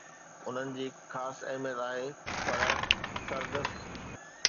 انهن جي هڪ خاص اهميت آهي، پر سردست